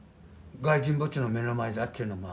外人墓地の目の前だっちゅうのが。